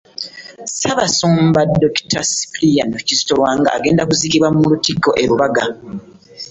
Ssaabasumba Dokita. Cyprian Kizito Lwanga agenda kuziikibwa mu Lutikko e Lubaga.